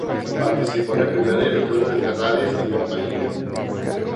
Participó en el primer directorio de Ferraris y Cía.